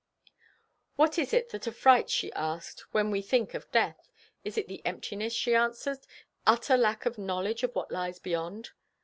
What is it that affrights, she asks, when we think of death? It is the emptiness, she answers, the utter lack of knowledge of what lies beyond.